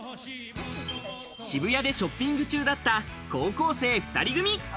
渋谷でショッピング中だった高校生２人組。